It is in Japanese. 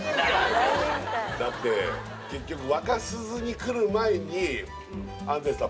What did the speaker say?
だって結局若鈴に来る前に安西さん